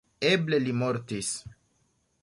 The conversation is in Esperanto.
Eble li mortis.